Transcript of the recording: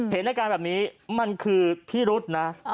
เห็นอาการแบบนี้มันคือพิรุษนะ